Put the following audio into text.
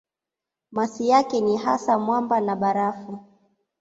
Masi yake ni hasa mwamba na barafu.